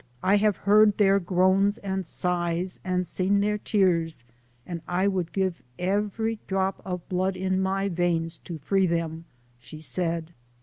'I have heard their groans and sighs, and seen their tears, and I would give every drop of blood in my veins to free them,' she said.